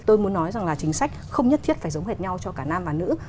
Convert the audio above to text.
tôi muốn nói rằng là chính sách không nhất thiết phải giống hệt nhau cho cả nam và nữ